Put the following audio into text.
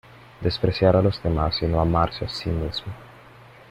despreciar a los demás y no amarse a sí mismo.